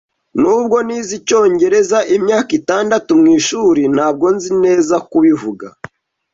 Nubwo nize icyongereza imyaka itandatu mwishuri, ntabwo nzi neza kubivuga.